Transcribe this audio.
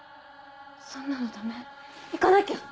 そんなのダメ行かなきゃ！